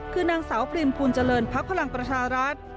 คือนางสาวพรีมภูลเจริญภักดิ์พลังประชารัฐ